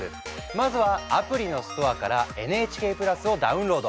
まずはアプリのストアからＮＨＫプラスをダウンロード！